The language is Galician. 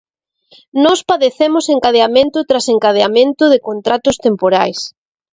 Nós padecemos encadeamento tras encadeamento de contratos temporais.